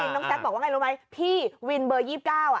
น้องแซคบอกว่าไงรู้ไหมพี่วินเบอร์๒๙อ่ะ